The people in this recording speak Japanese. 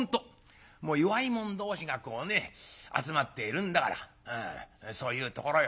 もう弱い者同士がこうね集まっているんだからそういうところよ」